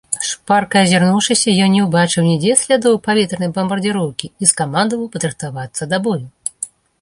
Шпарка азірнуўшыся, ён не ўбачыў нідзе слядоў паветранай бамбардзіроўкі і скамандаваў падрыхтавацца да бою.